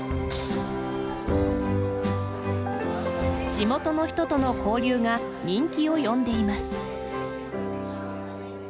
地元の人との交流が人気を呼んでいます。